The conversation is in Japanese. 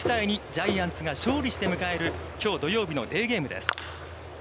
ジャイアンツが勝利して迎えるきょう、土曜日のデーゲームです。